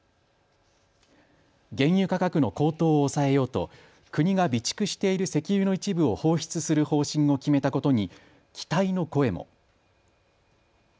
原油価格の高騰を抑えようと国が備蓄している石油の一部を放出する方針を決めたことに期待の声も。